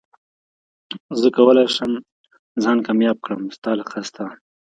زه کولي شم ځان کامياب کړم ستا له قصده